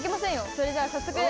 それじゃあ早速。